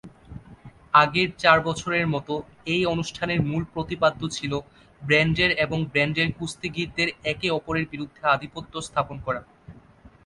আগের চার বছরের মতো, এই অনুষ্ঠানের মূল প্রতিপাদ্য ছিল ব্র্যান্ডের এবং ব্র্যান্ডের কুস্তিগীরদের একে অপরের বিরুদ্ধে আধিপত্য স্থাপন করা।